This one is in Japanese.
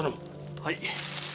はい。